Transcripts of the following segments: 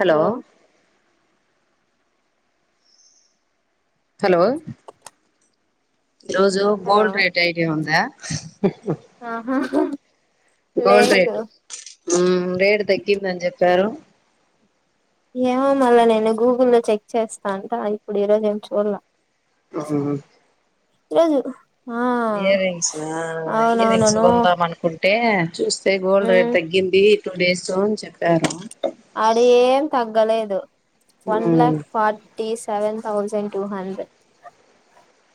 Hello hello ఈ రోజు hello gold rate idea ఉందా? హుహ్ ఆహా గోల్డ్ లేదు రేటు మ్ రేటు తగ్గిందని చెప్పారు. ఏమో మళ్ళా నేను గూగుల్లో లో చెక్ చేస్తా అంట ఇప్పుడు ఈరోజు ఏం చూడల ఆవునా రోజు ఇయర్ రింగ్స ఇయర్ రింగ్స్ అవునవునును కొందాం అనుకుంటే చూస్తే గోల్డ్ రేట్ తగ్గింది టూ డేస్ చె అడ ఏం తగ్గలేదు వన్ మ్మ్ lakh forties seven thousand two hundred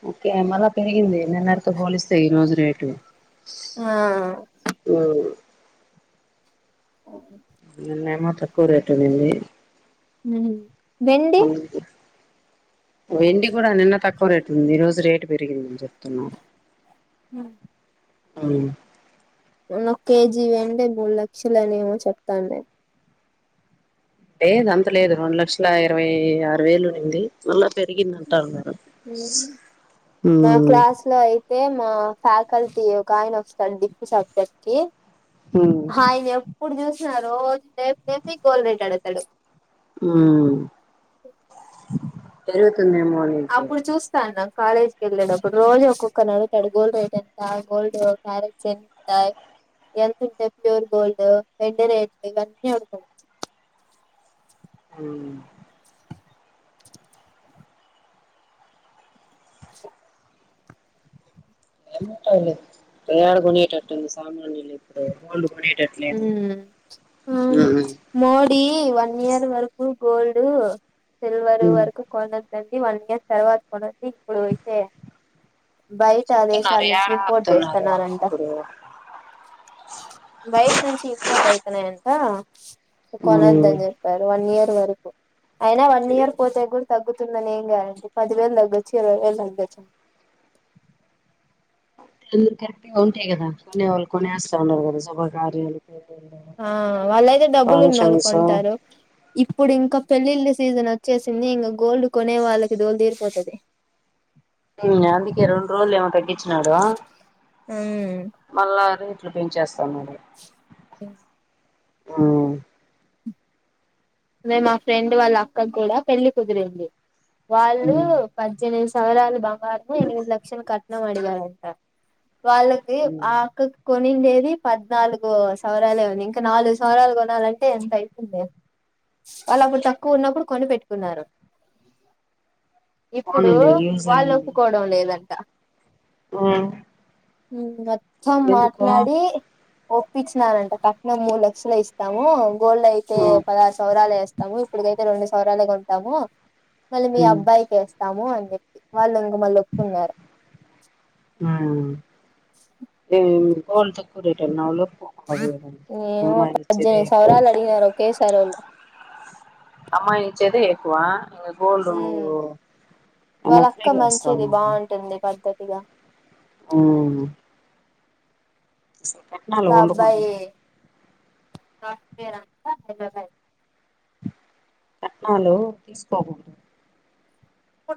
okay మళ పెరిగింది నిన్నటితో పోలిస్తే ఈ రోజు రేటు ఆ మ్మ్ నిన్నేమో తక్కువ రేటు ఉనింది మ్ అవునండి వెండి కూడా నిన్న తక్కువ రేటు ఉంది. ఈ రోజు రేటు పెరిగిందని చెప్తున్నారు. హ అవును నో ఒక కేజీవండి మూడు లక్షలు అని ఏమో చెప్తాండి లేదు అంత లేదు రెండు లక్షల ఇరవై ఆరు వేలునుంది మళ్ళా పెరిగింది అంటారు మ మా క్లాస్ లో అయి సేము ఫ్యాకల్టీ ఒక ఆయన వస్తాడు డిఫ్రీ సబ్జెక్ట్ కి హయ్ ఎప్పుడు చూసిన రోజు నేఫ లేేఫి గోల్డ్ రేటు అడుగుతాడు. ఉమ్ పెరుగుతుందేమో రేటు అప్పుడు చూస్తాన్న కాలేజ్ కి వెళ్లేటప్పుడు రోజు ఒక్కొక్కరుని అడగుతాడు గోల్డ్ రేట్ ఎంత, గోల్డ్ క్యారెట్స్ ఎంతా? ఎంత ఉంటే ప్యూర్ గోల్డ్, వెండి రేట్ ఇవన్నీ అడుగుతాడు. అ స ఎంతుంటాది యాడ కొనేటట్టు ఉంది సామి విళ్ళిప్పుడు గోల్డ్ కొనే ఉమ్ అవును మోడి వ ఇయర్ వరకు గోల్డ్, సిల్వర్ వరకు కొన అన్ సర్వాత కొ శ బయట చెప్తున్నారు దేశాల నుంచి ఏడ ఇంపోర్ట్ ఆపుతున్నారు చేస్తున్నారంట ఇప్పుడు బయట్ నుంచి ఇంపోర్ట్ అయితున్నాయంట మ్మ్ కొనొద్దని చెప్పారు వన్ ఇయర్ వరకు అయినా వన్ ఇయర్ పోతే కూడా తగ్గు ందని ఏం కాదండి పదివేలు తగ్గొచ్చు ఇరవై వేలు తగ్గొచ్చండి అంద కరెక్ట్ గా ఉంటాయి కదా కొనే వాళ్ళు కొనేస్తా ఉన్నారు కదా శుభకార్యాలు ఆ వాళ్ళుయితే డబ్బులు ఫంక్షన్స్ నలుకుంటారు ఉమ్ ఇప్పుడు ఇంకా పెళ్లిిళ్ళ సీజన్ వచ్చేసింది ఇంకా గోల్డ్ కొనే వాళ్ళకి దోలుదీరిపోతుంది అందుకే రెండు రోజులు ఏమో తగ్గించినాడు మళ్ళ రే ట్లు పెంచేస్తాన్నాడు అే మా ఫ్రెండ్ వాళ్ళ అక్క కూడా పెళ్లిి కుదిరింది వాళ్ళు ఉమ్ పద్దెనిమిది సవరాలు బంగారున ఎనిమిది లక్షన్ కట్నమాార అంత వాళ్ళకి ఉమ్ ఆక కొ కొనిండేది పద్నాలుగు సవరాలే ఉంది ఇంకా నాలుగు సవరాలు కొనాలంటే ఎంత అవుతుంది వాళ్ళు అప్పుడు తక్కువ ఉన్నప్పుడు కొని పెెట్టుకున్నారు ఇప్పుడు పోనీలే యూజ్ వాళ్ళ ఒప్పుకోవడం లేదండి ఆ మత్తం మాట్లాడి ఒప్పించిననంట కట్నం మూడు లక్షల ఇస్తాము గోల్డ్ అయితే ఉమ్ పదార్ స్తాము ఇప్పుడికైతే రెండు సవరాలుగా ఉంటాము మళ్ళీ మీ ఉమ్ అబ్బాయికి వేస్తాము స్తాము అని చెప్పి వాళ్ళు ఇంక మళ్ళ ఒప్పుతున్నారు ఏ కోన్ంతకు రేట న లో అదే ఏమో పద్దెనిమిది మరించిదిేప్ప సవరాలు అడిగినారు ఒకేసారి వాళ్ళు అమ్మా నిచేత ఏకువా గోల్డ్ అన్న వాళ్ళ ఫ్రీగా వస్తాన్నారుార గా ఓ కట్నాాలు ఉంకుంట హ ట్నాలో తీసుకోకడదు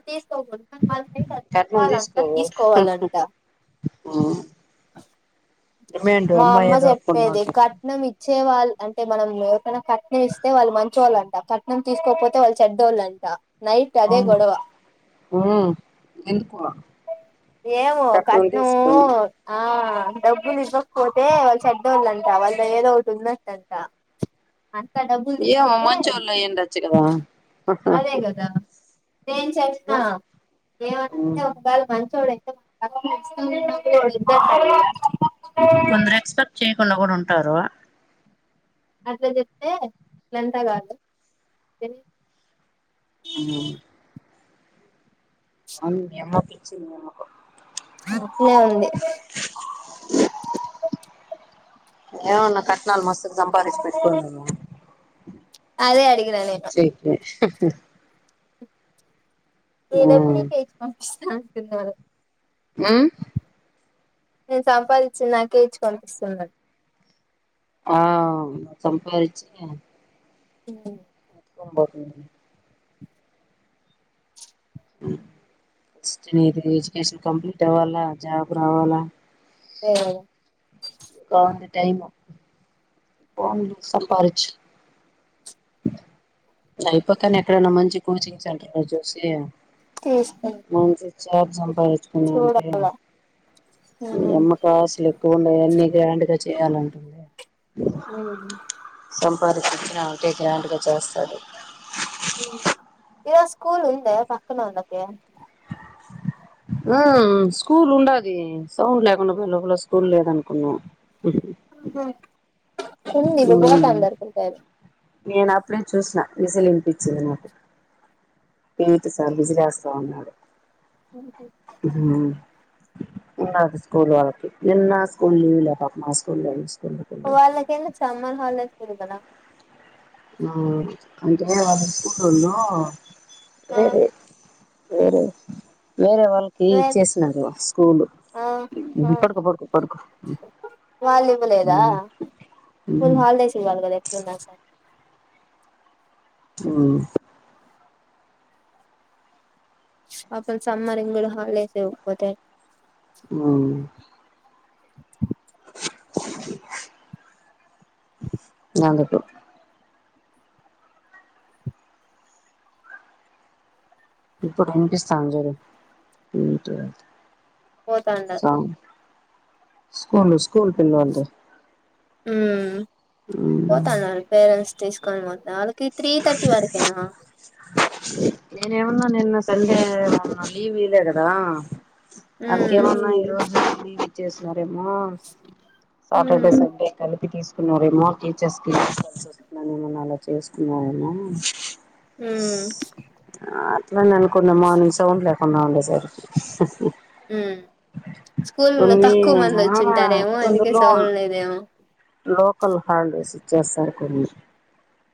తీసుకో కాని మళ సైడ్ అంత కట్నం ఇవ్వాలంట తీసుకోవాలంట ఆ మా అమ్మ దొరకకుండా చెప్పేది ఉంటే కట్నం ఇ వచ్చే వాళ్ళు అంటే మనం ఎవరికైనా కట్నం ఇస్తే వాళ్ళు మంచివాళ్ళు అంట కట్నం తీసుకోకపోతే వాళ్ళు చెద్దోళ్ళుంట అవు ఎనుకు ఏవో కట్న ఆ డబ్బులు ఇవ్వకపోతే వాళ్ళు చెడ్డవాళ్ళంత వాళ్ళు ఏదో ఒకటి ఉన్నట్ంత అంత డబ్బులు ఏమో తీసుకుంటే మంచోళ్ళు అయ్యుండొచ్చు కదా అదే కదా నేను చేసిన ఏమనంటే ఉమ్ ఒకవేళ మంచిోడ ఇద్దరు కొందరు ఎక్స్పెక్ట్ చేయకుండా కూడా ఉంటారు అట్లా చెప్తేంతా కాదు ఆ అవును నియమ ప ఇచ్చి నియమకం అట్లే ఉంది ఏమన్నా కట్నాలు మస్తు సంపాదించి పెట్టుకోను అదే అడిగి సక ఏ డబ్బు నీకేచు పంపిస్త అన్నారు ఆ నేను సంపాదించి నాకే ఇచ్చు కనిపిస్తున్నాను ఆ సంపాదిచ్చే ఉ తభడి ది ఎడ్యుకేషన్ కంప్లీట్ అవ్వాలా జాబ్ రావాలా స అంత టైమా పో సంపాారిచ్చ నయిపోక్కనే ఎక్కడన్నా మంచి కోచింగ్ సెంటర్లు చూసి తె సేప సంపాదించుకుని అంటే అమ్మకాశలు త ఉడా ఎన్ని గ్రాండ్ గా చేయాలంటుంది అ సంపాదించించిన అకే గ్రాండ్గా చేస్తాడు ఇదో స్కూల్ ఉంద పక్కన ఉంద ప ఆ స్కూల్ ఉండది సౌండ్ లేకుండా పో లోపల స్కూల్ లేదనుకున్నా స ఇది కూడా ఉమ్ తందారు కొతాది విసలునిపించింది నాకు ప సార్ విజలా స్వామిడు ఉన్నది స్కూల్ వాళ్ళకి నిన్న స్కూల్ లీవ్ లే మా స్కూల్ వాళ్ళకి ఎందు సమ్మర్ హాల కదా ఆ అకే అ ఆ స్కూల్న్నారే రే వేరే వేరే వాళ్ళకి రేప్ ఇచ్చేసినది స్కూల్ ఆ ఆ పడుకో పడుకో పడుకు వాళ్ళు ఇవ్వలేదా కొన్ని మ్మ్ హాలిడేస్ ఇవ్వాలి కదా ఎక్కడున్నా సార్ అ అ సమ్మరి ఇంగడు హాలస్ కొతే అవు న కట్టటు ఇప్పుటింనికిస్తాంజరు పోతాడా స్కూల్ స్కూల్ పిల్లవాళది ఉ పోతాన్నారు వాళ్ళ పేరెంట్స్ తీసుకొని మత్త అకు త్రీ తర్టీ వరికేనా న్న సండే లలీవ్లాడదా ఉమ్ అందుకేమన్నా ఈ రోజు ఇచ్చేసిన ేమో సాటర్డే ఉమ్ సండే కలిపి తీసు ఇ రిమోట్ టీచర్స్కిల్సి వస్తున్నా ఏమ అలా చేసుకున్నామ హ ఇని అనుకున్న మార్నింగ్ సౌండ్ లేకుండా ఉండే సరి స్కూల్ లో తక్కువ మంది ఆ వచ్చింటారేమో అందుకే కొందులో సౌడ్ లేదేమో లోకల్ హాలిడేస్ ఇచ్చేస్తారు కొన్ని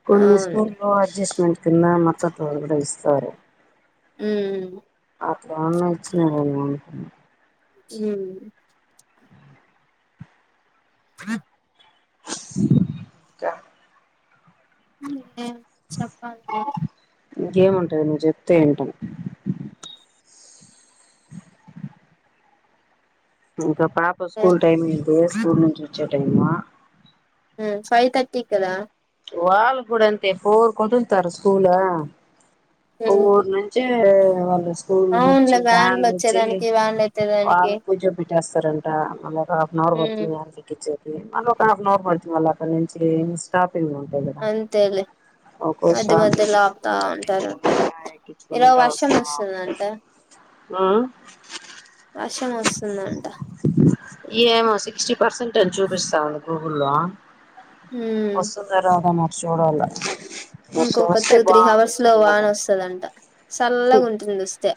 కొన్ని మీ అవును స్కూల్ లో అడ్జస్ట్మెంట్ కిన్నా మత్ర కూడా ఇస్తారు ఉమ్ అప్పుడ వచ్చిన హ అ క ఏ చెప్పాలడి ఇంకేముంటంది నువ్వు చెప్తే ఏంటాం ఇకా పాప స్కూల్ టైమ్ ఇదు స్కూల్ నుంచి వచ్చ టైమా ఫైవ్ తర్టీకిదా వాళ్ళ కూడా అంతే పోరు కుదుతారు స్కూల్ ప ఉమ్ ఊరు నుంచి వాళ్ళు స్కూల్ అవునులే వచ్చి వ్యాన్లు ద్యాన్లు వచ్చి వచ్చేదానికి వ్యాన్లు వాళ్ళ ఎత్తేదానికి పూజ పెట్టేస్తారంటా మళ్ళ ఒక హాఫ్న్ అవర్ ఉమ్ బడుతుంది దగ్చ్చ మళ్ళీ ఒక హఫ్న్ అవర్ పడుతుంది మళ్ళీ అక్కడ నుంచి ఇస్ ఉంట అంతేలే మధ్య మధ్యలో ఆపుతా ఉంటారు ఈరోజు వస్త వర్షం వస్తుందంట వర్షం వస్తుందంట ఏ ఏమో సిక్స్టీ పర్సెంట్ అని చూపిస్తాము గూగుల్లో ఉమ్ వస్తు తరాదా మరచూడాల ఇంకొక టూ త్రీ అవర్స్ లో వాన్ వస్తుదంట చల్లగా ఉంటుంది వస్తే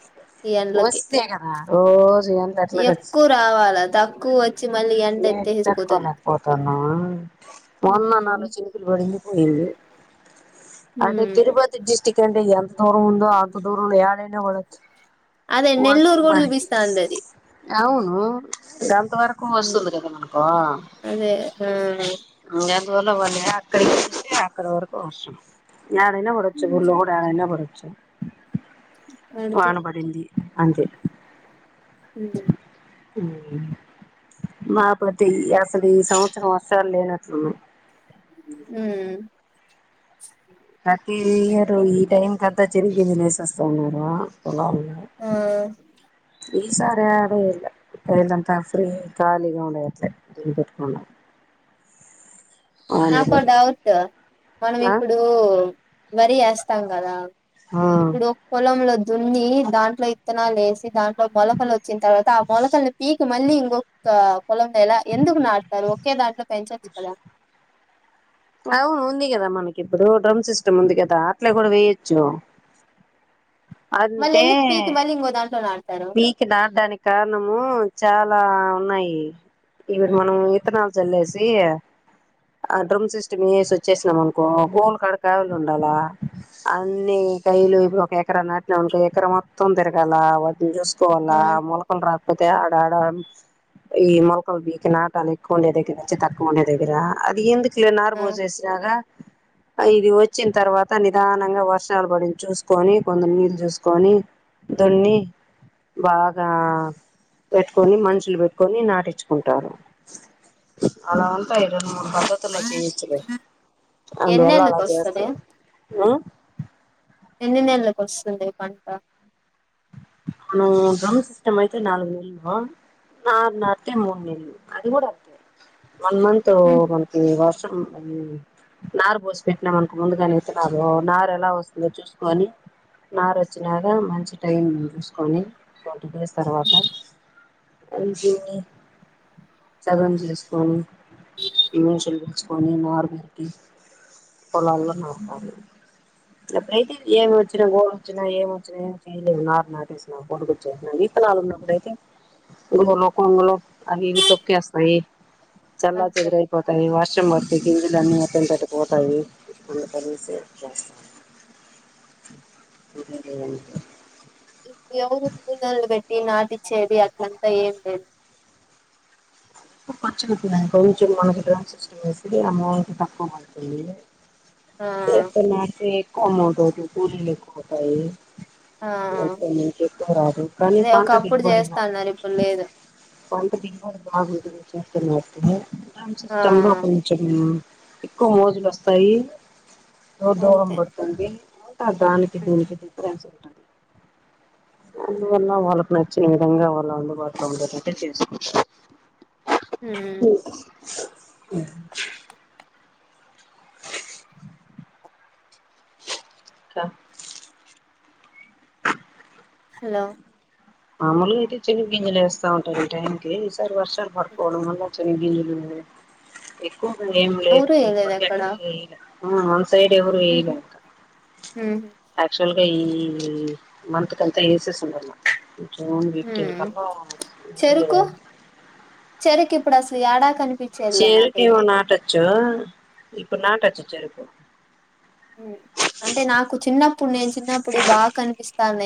ఈ ఎండలకి వస్త కద రోజుంతట్ల ఎక్కువ రావాలా తక్కువ వచ్చి మళ్ళీ ఎండ కి ఎత్తేసిపోతుంది తట్టుకోలేకపోతాను మొన్న ఉమ్ నలో చినుకులు పడిందిపోయింది అంటే ఉమ్ తిరుపతి డిస్టిక్ట్ అంటే ఎంత దూరం ఉందో అంత దూరం ఎయాడైనా ఉడచ్చ అదే వష నెల్లూరు మ కూడా చూపిస్తాంది అది అవును కొంత వరకు ఉమ్ వస్తుంది కదా మనకో అదే ఆ ఇకా వాళ్ళక్కడికి అక్కడ వరకు వర్ం ఎడైనా పడొచ్చు గుర్లో కూడా ఎడైనా పడచ్చు అడుతు వానబడింది అంటే హ మాపతి అసలీ సహచ్సాలలే అ ఆ ప్రతిరు ఈ టైం కంతా చెరి కింది లేేసేస్తా ఉన్నారు పలా ఆ ఈ సారి అదే ఇల్ అయిలంతా ఫ్రీ ఖాలిగా ఉండైలే ద బట్క నాకు పడి డౌట్ మనం ఆ ఇప్పుడు మరి వస్తాం కదా ఇప్పుడు పొలంలో దున్ని దాంట్లో ఇత్తనాలు వేసి దాంట్ మ ఫల్ వచ్చంది త ఆ మల ఫల్ని పికి మళ్ళీ ఇంకొక కులం లేలా ఎందుకు నాడతారు ఒకే దాంట్లో పెంచచ్చు కదా అవును ఉంది కదా మనకి ఇప్పుడు డ్రమ్ సిస్టమ్ ఉంది కదా అట్లే కూడా వేయచ్చు మళ్ళీ అంటే ఎందుకు పీకి మళ్ళీ ఇంకో దాంట్లో నాటుతారు మీకు దార్డాానికి కారణము చ చాలా ఉన్నాయి ఇవిడు మనం ఇత్తనాలు చల్లేసి ఆ డ్రమ్ సిస్టమ్సి వచ్చేసినాం అనుకో అక్కడ కావలు ఉండాలా అన్నిీ కయలు ఒక ఎకరా నాటినక ఎకరా మొత్తం తిరగాల వాటిని చూస్త ఆ పోలా మూలకొలు రాకపోతే ఆడ ఆడ ఈ మొలకల్ బీకి నాటాలు ఇకుండేదగర వచ్చి తర్కకుండ ఎదగరా అది ఎందుకు నాారు ఆ పోజ చేసినక ఇది వచ్చిన తర్వాత నిదానంగా వర్షాలు పడి చూసుకొని కొందరు నీళ్ళు చూసుకొని దొన్ని బగా పెట్టుకొని మషులు పెట్టుకొని నాటించుకుంటారు అలా ఆ. వంటంటా ఇ మూ పక్కతుల చేవించలే అందువల్లలా ఎన్నేళ్ళకి చేస్త వస్తది ఎన్ని నెలలకు వస్తుంది పంట అ డ్రమ్ సిస్టమ్ అయితే నాలుగు నెలమా నార్న అత మూడు నె అది కూడా అత వన్ మంత ఉహు, మనకి వర్ నారు పోసి పెట్టినా మనకు ముందుగానేతున్నారు నారు ఎలా వస్తుందో చూసుకొని నారచ్చనాద మంచి టైం చూసుకొని వంటీ డేస్ తర్వాత ఇంటి సగం చేసుకొని ఇమషలు పోసుుకొని నార్మల్టీ పోైతే ఏమి వచ్చిన గోల్ వచ్చిన ఏమి వచ్చిన ఏ ఉ నాారు నాటేసు పోడుకుచ్చే వీపనాాలు ఉన్నప్పుడైతే లో కొంగలో అవి తప్పస్తాయి చల్ అంతే చదర అయిపోతా నవ వషం పకిజలు అన్నీ మత్తం పెట్టుపోతాయి అందుకలిస చేస్తా ఇప్పుడు ఎవరుూ కూూలలు పెట్టి నాటిచ్చేది అట్లంతా ఏం లేదు ఖచ్చు అతున్నాను కొంచం మనకి డ్రాన్స్ సిస్టం వేసి అమౌంట్ తక్కువ పంటతుంది ఆ ఎస్తు నా కొమంటరు గు లేకుబ ఆ అదు కానీ అదే ఒకప్పుడు పంతపో చేస్తాన్నారు ఇప్పుడు లేదు కొంట ద ఆ బాగుదుంలో కొంచం ఎక్కువ మోజులు వస్తాయిో దూరం అంతే పడుతుంది తద ఉమ్, అనికిదినికిది త స ఉ అందువల్ల వాళ్ళకు నచ్చిన విధంగా వాళ్ళ అందుబాటులో ఉండేటట్ే చేసుకో హ అఓ అ హలో మామూలు అయితే చెలు గింజలు వేస్తా ఉంటాారు టైంకి ఈసారి వర్షాలు పడుకోవడం వల్ల చి ఎక్కువగా ఎవరు వేయలేదు ఏములేవరకు అక్కడ ఎక్క డివరు ఏ అంత ఆక్చుల్ అ ఈ మంతంత్ కంత ఏస సందర్మా ూ వీట్క ఇజలే చెరరికి ఇప్పుడుసలు ఏడా కని చెరికి ఇవ నాటచ్చో ఇప్పు నాటచ్చ చెరుకు అంటే నాకు చిన్నప్పుడు నేను చిన్నప్పుడు బాగా కనిపిస్తానే